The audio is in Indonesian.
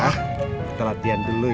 kita latihan dulu ya